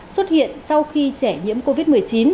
xuất hiện sau khi trẻ nhiễm covid một mươi chín